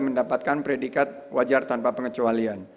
mendapatkan predikat wajar tanpa pengecualian